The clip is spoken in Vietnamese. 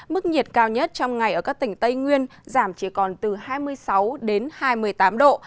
mức nhiệt cao nhất trong ngày ở các tỉnh tây nguyên giảm chỉ còn từ hai mươi sáu đến hai mươi tám độ